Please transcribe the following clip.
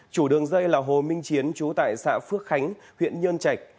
chủ đường dây là hồ minh chiến trú tại xã phước khánh huyện nhơn chạch